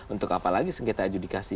untuk apa lagi asing kata adjudikasi